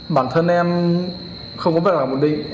bản thân em không có việc làm bổn định